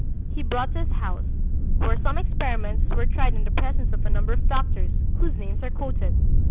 he brought to his house, where some experiments were tried in the presence of a number of doctors, whose names are quoted.